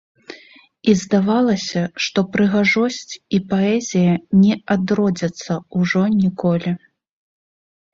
І здавалася, што прыгажосць і паэзія не адродзяцца ўжо ніколі.